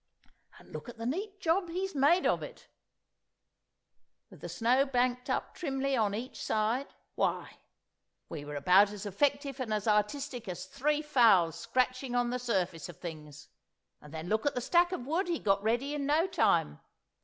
And look at the neat job he's made of it, with the snow banked up trimly on each side; why, we were about as effective and as artistic as three fowls scratching on the surface of things. And then look at the stack of wood he got ready in no time.